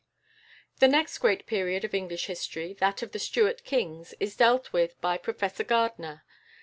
The next great period of English history, that of the Stuart kings, is dealt with by Professor Gardiner.